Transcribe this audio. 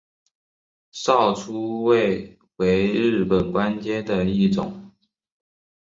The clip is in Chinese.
少初位为日本官阶的一种。